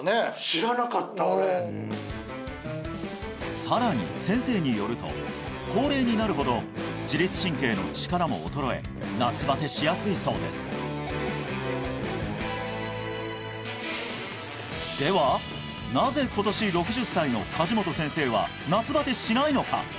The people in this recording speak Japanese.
知らなかったさらに先生によると高齢になるほど自律神経の力も衰え夏バテしやすいそうですではなぜ今年６０歳の梶本先生は夏バテしないのか？